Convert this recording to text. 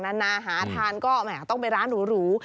นานาหาทานก็แหมต้องไปร้านหรู